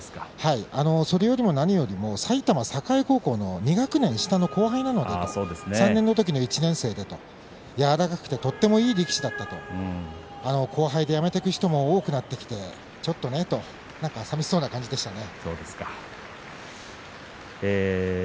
それよりも何よりも埼玉栄高校の２学年下の後輩になるので３年の時に１年生なので柔らかくてとてもいい力士だったと後輩でやめていく人も多くなってきてちょっとねとさみしそうな表情でしたね。